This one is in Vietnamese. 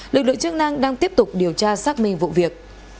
lực lượng chức năng đang tiếp tục điều tra xác minh vụ việc